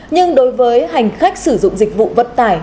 nhưng đối với hành khách sử dụng dịch vụ vận tải